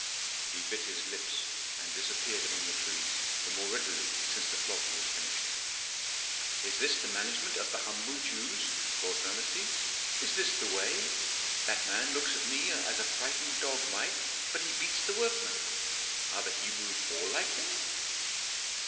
He bit his lips, and disappeared among the trees, the more readily since the flogging was finished. "Is this the management of the humble Jews?" thought Rameses. "Is this the way? That man looks at me as a frightened dog might, but he beats the workmen. Are the Hebrews all like him?"